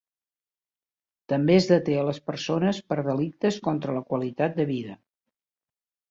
També es deté a les persones per delictes contra la qualitat de vida.